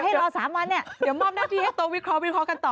ให้รอ๓วันเนี่ยเดี๋ยวมอบหน้าที่ให้โตวิเคราะหวิเคราะห์กันต่อ